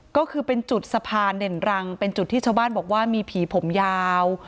ก็คือเป็นจุดสะพานเด่นรังเป็นจุดที่ชาวบ้านบอกว่ามีผีผมยาว